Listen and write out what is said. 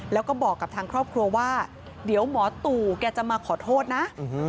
แล้วก็บอกกับทางครอบครัวว่าเดี๋ยวหมอตู่แกจะมาขอโทษนะ